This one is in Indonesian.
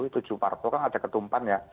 itu jokowi kan ada ketumpan ya